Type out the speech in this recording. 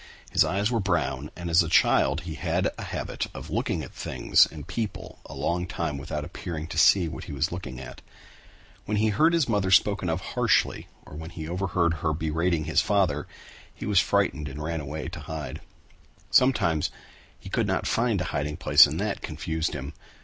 His eyes were brown and as a child he had a habit of looking at things and people a long time without appearing to see what he was looking at. When he heard his mother spoken of harshly or when he overheard her berating his father, he was frightened and ran away to hide. Sometimes he could not find a hiding place and that confused him.